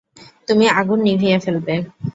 তুমি আগুন নিভিয়ে ফেলবে।